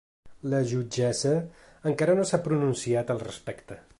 La jutgessa encara no s’ha pronunciat al respecte.